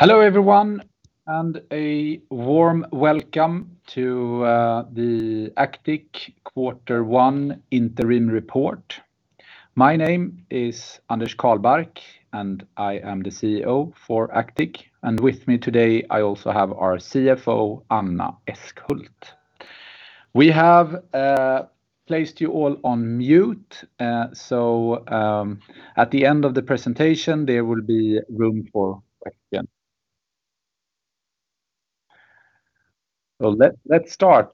Hello everyone, a warm welcome to the Actic quarter one interim report. My name is Anders Carlbark, and I am the CEO for Actic. With me today I also have our CFO, Anna Eskhult. We have placed you all on mute. At the end of the presentation, there will be room for questions. Let's start.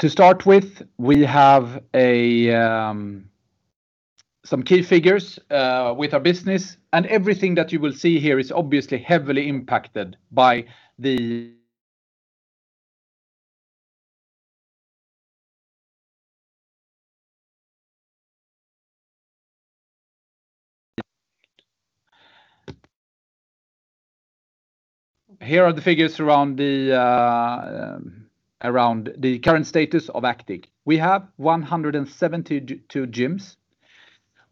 To start with, we have some key figures with our business, and everything that you will see here is obviously heavily impacted by the COVID-19. Here are the figures around the current status of Actic. We have 172 gyms.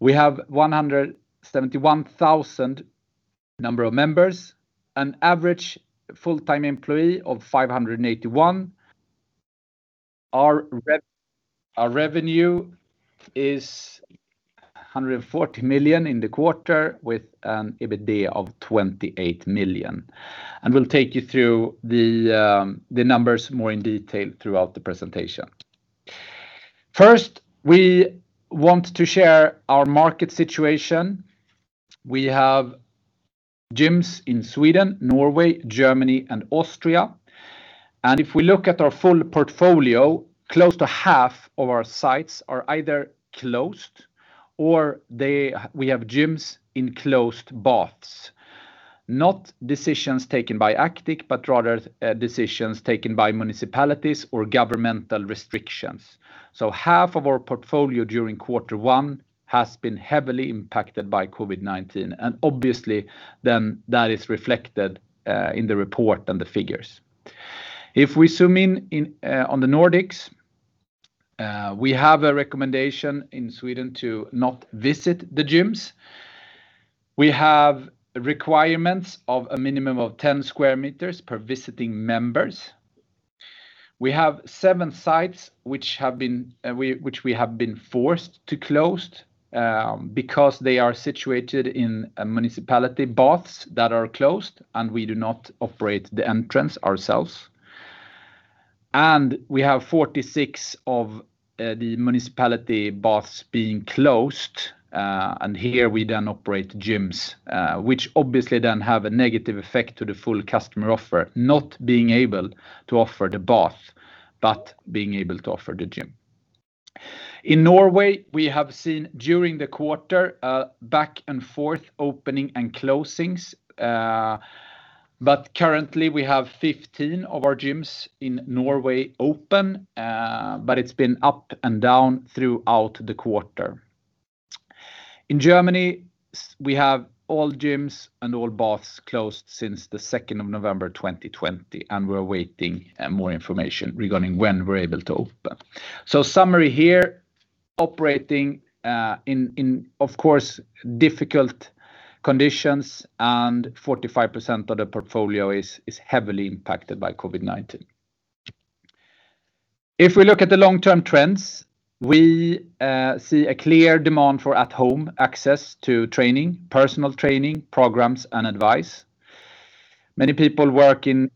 We have 171,000 number of members. An average full-time employee of 581. Our revenue is 140 million in the quarter, with an EBITDA of 28 million. We'll take you through the numbers more in detail throughout the presentation. First, we want to share our market situation. We have gyms in Sweden, Norway, Germany, and Austria. If we look at our full portfolio, close to half of our sites are either closed or we have gyms in closed baths. Not decisions taken by Actic, but rather decisions taken by municipalities or governmental restrictions. Half of our portfolio during quarter one has been heavily impacted by COVID-19, and obviously then that is reflected in the report and the figures. If we zoom in on the Nordics, we have a recommendation in Sweden to not visit the gyms. We have requirements of a minimum of 10 sq m per visiting members. We have seven sites which we have been forced to close because they are situated in municipality baths that are closed, and we do not operate the entrance ourselves. We have 46 of the municipality baths being closed. Here we operate gyms which obviously have a negative effect to the full customer offer, not being able to offer the bath, but being able to offer the gym. In Norway, we have seen during the quarter a back-and-forth opening and closings. Currently we have 15 of our gyms in Norway open. It's been up and down throughout the quarter. In Germany, we have all gyms and all baths closed since the 2nd of November 2020, and we're awaiting more information regarding when we're able to open. Summary here, operating in, of course, difficult conditions and 45% of the portfolio is heavily impacted by COVID-19. If we look at the long-term trends, we see a clear demand for at-home access to training, personal training, programs, and advice. Many people work in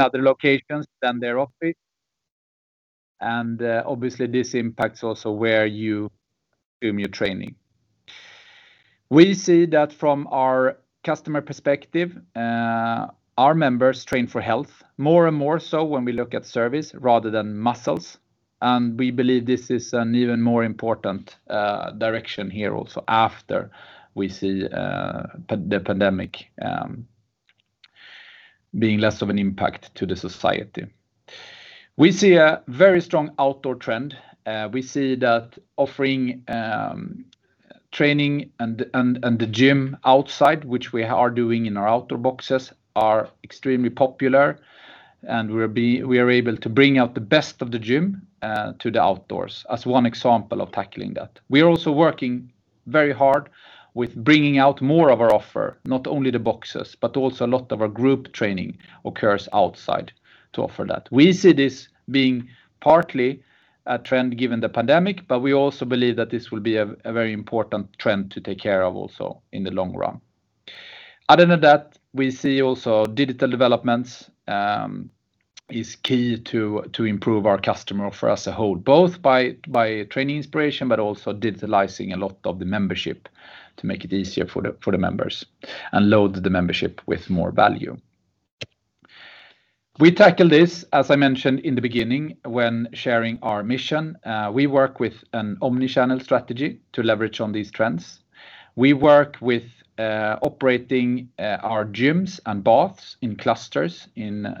other locations than their office. Obviously this impacts also where you do your training. We see that from our customer perspective, our members train for health more and more so when we look at service rather than muscles. We believe this is an even more important direction here also after we see the pandemic being less of an impact to the society. We see a very strong outdoor trend. We see that offering training and the gym outside, which we are doing in our outdoor boxes, are extremely popular. We are able to bring out the best of the gym to the outdoors as one example of tackling that. We are also working very hard with bringing out more of our offer. Not only the boxes, but also a lot of our group training occurs outside to offer that. We see this being partly a trend given the pandemic, but we also believe that this will be a very important trend to take care of also in the long run. Other than that, we see also digital developments is key to improve our customer offer as a whole, both by training inspiration, but also digitalizing a lot of the membership to make it easier for the members and load the membership with more value. We tackle this, as I mentioned in the beginning when sharing our mission, we work with an omni-channel strategy to leverage on these trends. We work with operating our gyms and baths in clusters in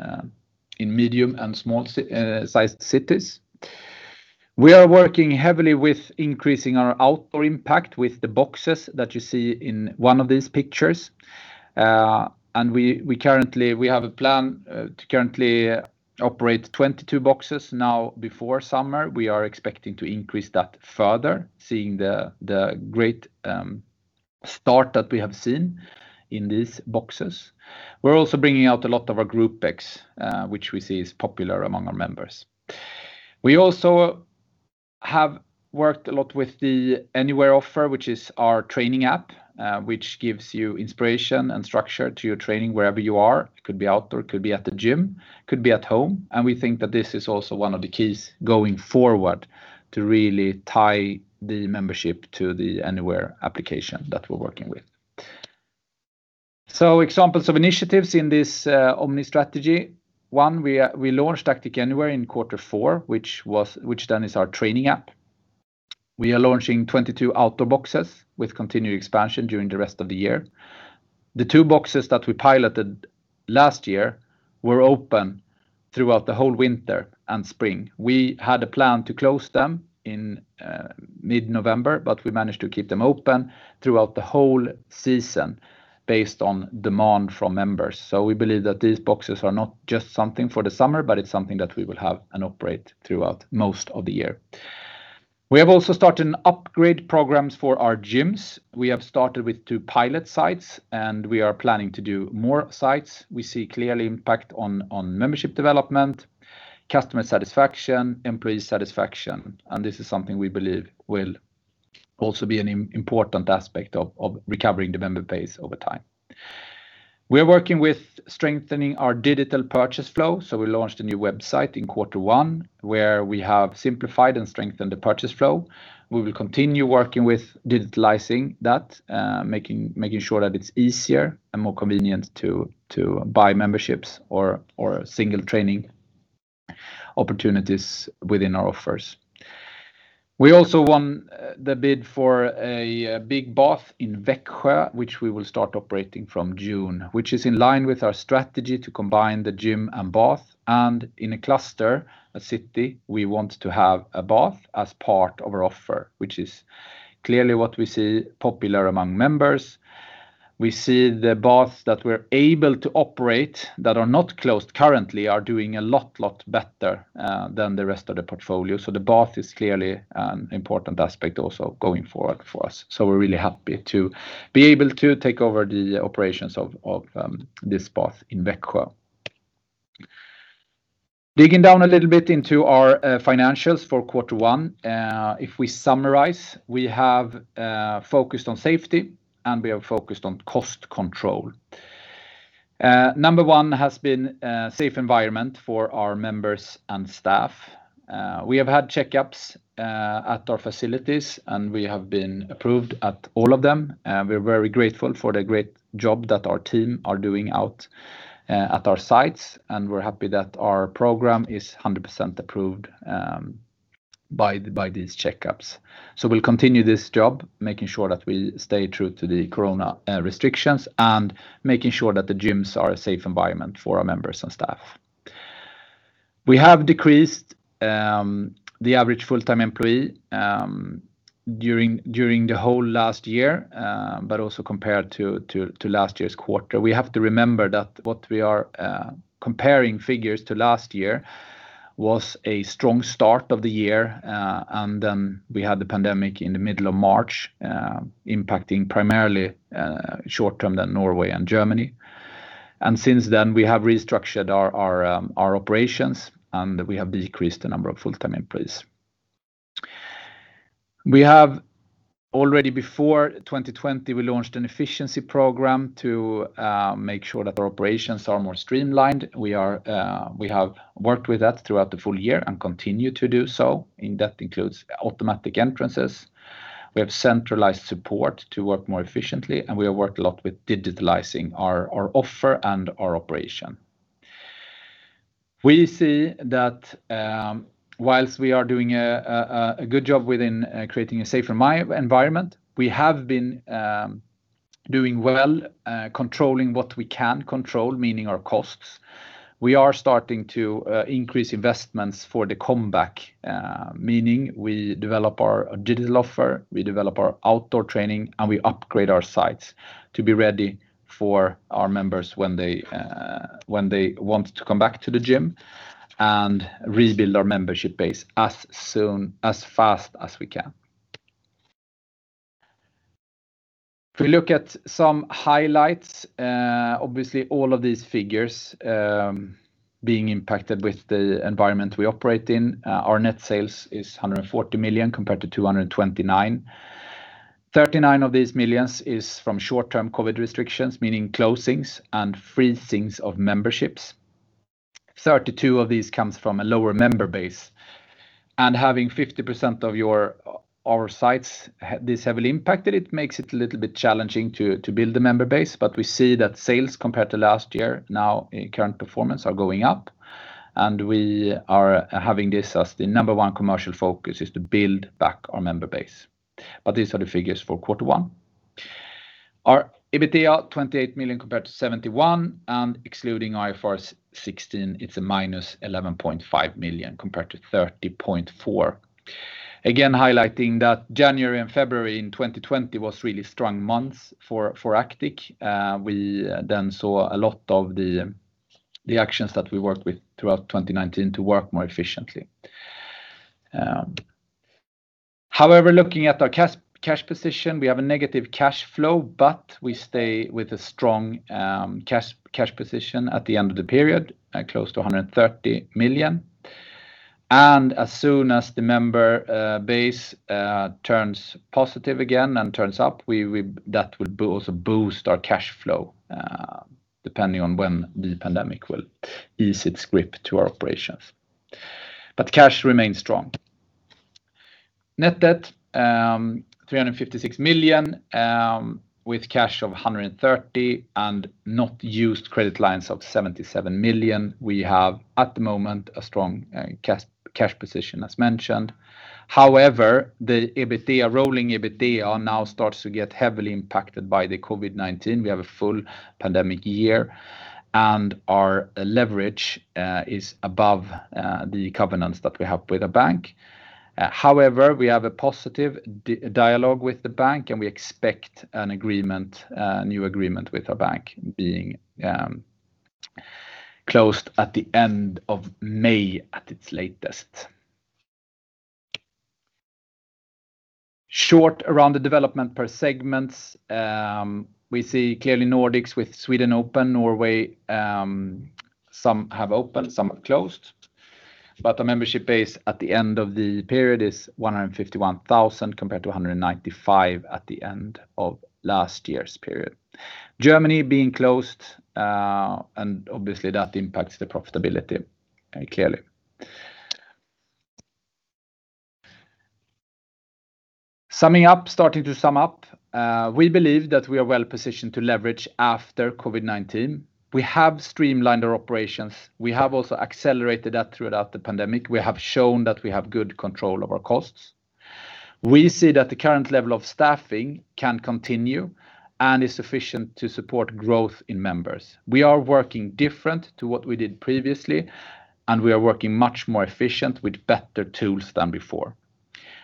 medium and small-sized cities. We are working heavily with increasing our outdoor impact with the boxes that you see in one of these pictures. We have a plan to currently operate 22 boxes now before summer. We are expecting to increase that further, seeing the great start that we have seen in these boxes. We're also bringing out a lot of our group training, which we see is popular among our members. We also have worked a lot with the Actic Anywhere offer, which is our training app, which gives you inspiration and structure to your training wherever you are. It could be outdoor, it could be at the gym, could be at home. We think that this is also one of the keys going forward to really tie the membership to the Actic Anywhere application that we're working with. Examples of initiatives in this omni strategy. One, we launched Actic Anywhere in quarter four, which then is our training app. We are launching 22 outdoor boxes with continued expansion during the rest of the year. The two boxes that we piloted last year were open throughout the whole winter and spring. We had a plan to close them in mid-November, but we managed to keep them open throughout the whole season based on demand from members. We believe that these boxes are not just something for the summer, but it's something that we will have and operate throughout most of the year. We have also started upgrade programs for our gyms. We have started with two pilot sites, and we are planning to do more sites. We see clearly impact on membership development, customer satisfaction, employee satisfaction, and this is something we believe will also be an important aspect of recovering the member base over time. We're working with strengthening our digital purchase flow, so we launched a new website in quarter one where we have simplified and strengthened the purchase flow. We will continue working with digitalizing that, making sure that it's easier and more convenient to buy memberships or single training opportunities within our offers. We also won the bid for a big bath in Växjö, which we will start operating from June, which is in line with our strategy to combine the gym and bath, and in a cluster, a city, we want to have a bath as part of our offer, which is clearly what we see popular among members. We see the baths that we're able to operate, that are not closed currently, are doing a lot better than the rest of the portfolio. The bath is clearly an important aspect also going forward for us. We're really happy to be able to take over the operations of this bath in Växjö. Digging down a little bit into our financials for quarter one. If we summarize, we have focused on safety, and we have focused on cost control. Number one has been a safe environment for our members and staff. We have had checkups at our facilities, and we have been approved at all of them. We're very grateful for the great job that our team are doing out at our sites, and we're happy that our program is 100% approved by these checkups. We'll continue this job, making sure that we stay true to the corona restrictions and making sure that the gyms are a safe environment for our members and staff. We have decreased the average full-time employee during the whole last year, but also compared to last year's quarter. We have to remember that what we are comparing figures to last year was a strong start of the year. We had the pandemic in the middle of March, impacting primarily, short-term then Norway and Germany. Since then, we have restructured our operations, and we have decreased the number of full-time employees. Already before 2020, we launched an efficiency program to make sure that our operations are more streamlined. We have worked with that throughout the full year and continue to do so, and that includes automatic entrances. We have centralized support to work more efficiently, and we have worked a lot with digitalizing our offer and our operation. We see that whilst we are doing a good job within creating a safer environment, we have been doing well, controlling what we can control, meaning our costs. We are starting to increase investments for the comeback, meaning we develop our digital offer, we develop our outdoor training, and we upgrade our sites to be ready for our members when they want to come back to the gym and rebuild our membership base as fast as we can. We look at some highlights, obviously all of these figures being impacted with the environment we operate in. Our net sales is 140 million compared to 229 million. 39 million of these is from short-term COVID-19 restrictions, meaning closings and freezing of memberships. 32 million of these comes from a lower member base. Having 50% of our sites this heavily impacted, it makes it a little bit challenging to build the member base. We see that sales compared to last year, now current performance are going up, and we are having this as the number one commercial focus is to build back our member base. These are the figures for quarter one. Our EBITDA, 28 million compared to 71 million, and excluding IFRS 16, it's a -11.5 million compared to 30.4 million. Again, highlighting that January and February in 2020 was really strong months for Actic. We saw a lot of the actions that we worked with throughout 2019 to work more efficiently. However, looking at our cash position, we have a negative cash flow, but we stay with a strong cash position at the end of the period, at close to 130 million. As soon as the member base turns positive again and turns up, that will also boost our cash flow, depending on when the pandemic will ease its grip to our operations. Cash remains strong. Net debt, 356 million, with cash of 130 million and not used credit lines of 77 million. We have, at the moment, a strong cash position, as mentioned. The rolling EBITDA now starts to get heavily impacted by the COVID-19. We have a full pandemic year, and our leverage is above the covenants that we have with our bank. We have a positive dialogue with the bank, and we expect a new agreement with our bank being closed at the end of May at its latest. Short around the development per segments. We see clearly Nordics with Sweden open. Norway, some have opened, some have closed. The membership base at the end of the period is 151,000 compared to 195,000 at the end of last year's period. Germany being closed, and obviously that impacts the profitability clearly. Summing up, starting to sum up. We believe that we are well-positioned to leverage after COVID-19. We have streamlined our operations. We have also accelerated that throughout the pandemic. We have shown that we have good control of our costs. We see that the current level of staffing can continue and is sufficient to support growth in members. We are working different to what we did previously, and we are working much more efficient with better tools than before.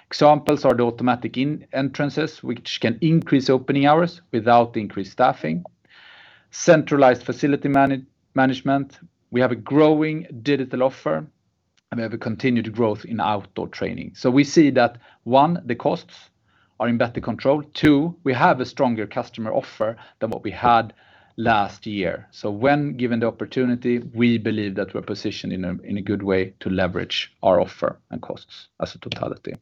Examples are the automatic entrances, which can increase opening hours without increased staffing. Centralized facility management. We have a growing digital offer, and we have a continued growth in outdoor training. We see that, one, the costs are in better control. Two, we have a stronger customer offer than what we had last year. When given the opportunity, we believe that we're positioned in a good way to leverage our offer and costs as a totality.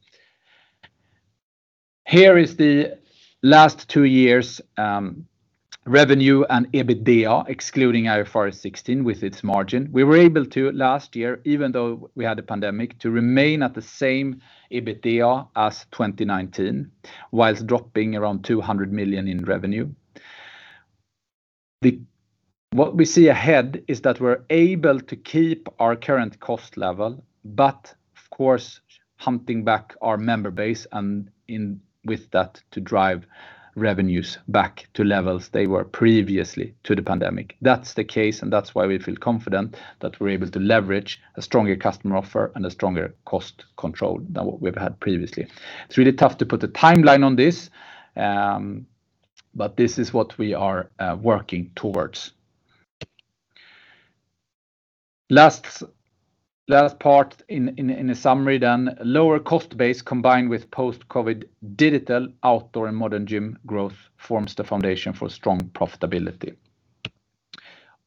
Here is the last two years' revenue and EBITDA, excluding IFRS 16 with its margin. We were able to, last year, even though we had a pandemic, to remain at the same EBITDA as 2019 whilst dropping around 200 million in revenue. What we see ahead is that we're able to keep our current cost level, but of course, hunting back our member base and with that, to drive revenues back to levels they were previously to the pandemic. That's the case, and that's why we feel confident that we're able to leverage a stronger customer offer and a stronger cost control than what we've had previously. It's really tough to put a timeline on this, but this is what we are working towards. Last part in the summary then. Lower cost base combined with post-COVID digital, outdoor, and modern gym growth forms the foundation for strong profitability.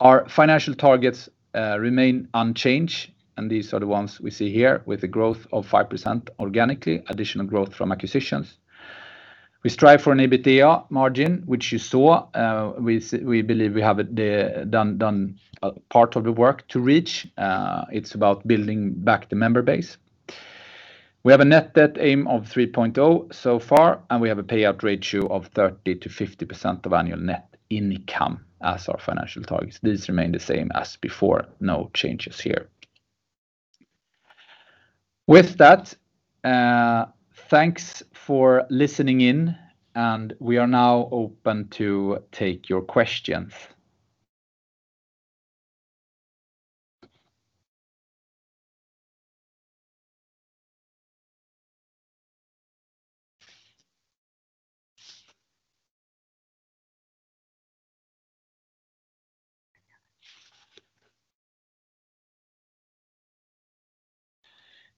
Our financial targets remain unchanged, and these are the ones we see here with the growth of 5% organically, additional growth from acquisitions. We strive for an EBITDA margin, which you saw. We believe we have done part of the work to reach. It's about building back the member base. We have a net debt aim of 3.0 so far, and we have a payout ratio of 30%-50% of annual net income as our financial targets. These remain the same as before. No changes here. With that, thanks for listening in. We are now open to take your questions.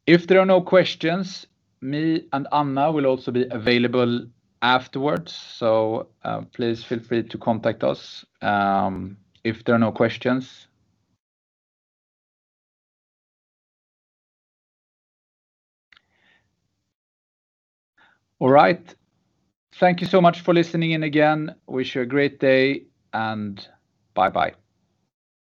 If there are no questions, me and Anna Eskhult will also be available afterwards. Please feel free to contact us if there are no questions. All right. Thank you so much for listening in again. Wish you a great day. Bye-bye.